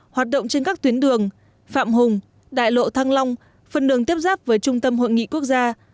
hoạt động trên các tuyến đường phạm hùng đại lộ thăng long phần đường tiếp giáp với trung tâm hội nghị quốc gia